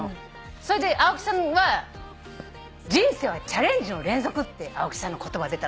それで青木さんは「人生はチャレンジの連続」って青木さんの言葉が出たの。